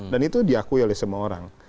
dan itu diakui oleh semua orang